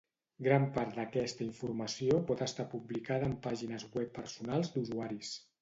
Gran part d'aquesta informació pot estar publicada en pàgines web personals d'usuaris.